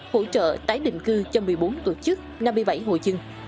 hỗ trợ tái định cư cho một mươi bốn tổ chức năm mươi bảy hội dân